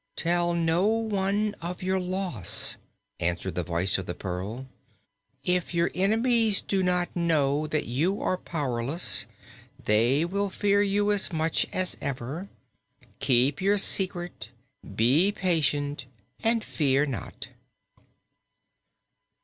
"Tell no one of your loss," answered the Voice of the Pearl. "If your enemies do not know that you are powerless, they will fear you as much as ever. Keep your secret, be patient, and fear not!"